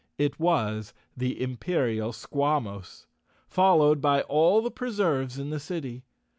It was th'* Imperial Squawmos, followed by all the Preserves the city.